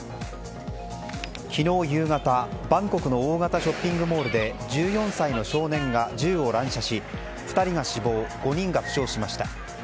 昨日夕方、バンコクの大型ショッピングモールで１４歳の少年が銃を乱射し２人が死亡、５人が負傷しました。